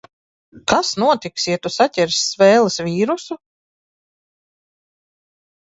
Kas notiks, ja tu saķersi Svēles vīrusu?